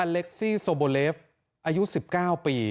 เล็กซี่โซโบเลฟอายุ๑๙ปี